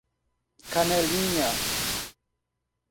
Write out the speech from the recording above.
Canelinha